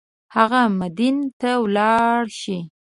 هغه مدین ته ولاړ شي.